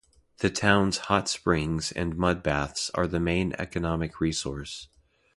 The town's hot springs and mud baths are the main economic resource.